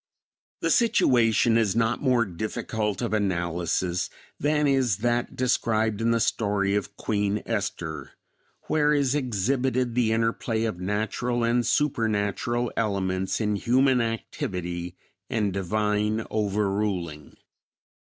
The situation is not more difficult of analysis than is that described in the story of Queen Esther where is exhibited the interplay of natural and supernatural elements in human activity and Divine over ruling.